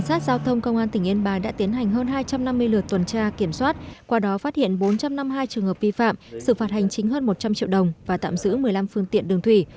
cảnh sát giao thông công an tỉnh yên bài đã tiến hành hơn hai trăm năm mươi lượt tuần tra kiểm soát qua đó phát hiện bốn trăm năm mươi hai trường hợp vi phạm xử phạt hành chính hơn một trăm linh triệu đồng và tạm giữ một mươi năm phương tiện đường thủy